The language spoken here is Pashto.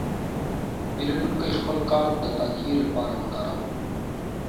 پیرودونکی خپل کارت د تادیې لپاره وکاراوه.